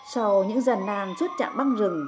sau những giàn nàn suốt trạng băng rừng